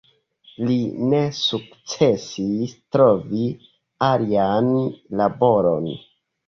Li ne sukcesis trovi alian laboron.